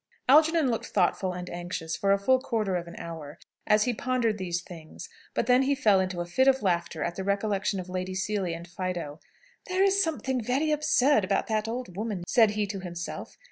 Algernon looked thoughtful and anxious, for full a quarter of an hour, as he pondered these things. But then he fell into a fit of laughter at the recollection of Lady Seely and Fido. "There is something very absurd about that old woman," said he to himself.